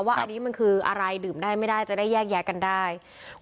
ว่าอันนี้มันคืออะไรดื่มได้ไม่ได้จะได้แยกแยะกันได้